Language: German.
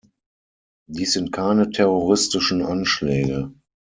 Dies sind keine terroristischen Anschläge.